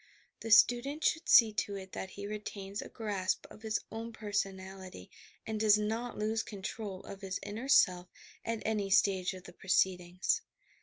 The student should see to it that he retains a grasp of his own personality and does not lose control of his inner self at any stage of the proceedings.